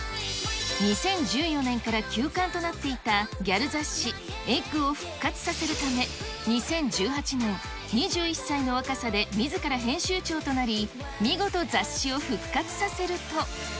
２０１４年から休刊となっていたギャル雑誌、ｅｇｇを復活させるため、２０１８年、２１歳の若さでみずから編集長となり、見事雑誌を復活させると。